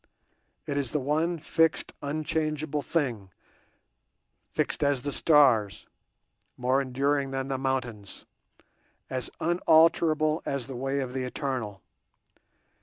It is the one fixed unchangeable thing—fixed as the stars, more enduring than the mountains, as unalterable as the way of the Eternal.